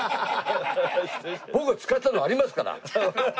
僕が使ったのあげますから。